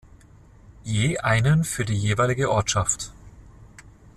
Je einen für die jeweilige Ortschaft.